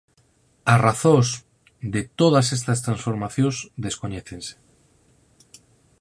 As razóns de todas estas transformacións descoñécense.